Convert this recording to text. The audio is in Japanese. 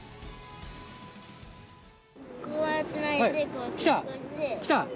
こうやって投げて、来た？